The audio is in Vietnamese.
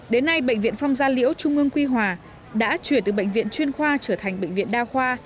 đến nay bệnh viện phong gia liễu trung ương quy hòa đã chuyển từ bệnh viện chuyên khoa trở thành bệnh viện đa khoa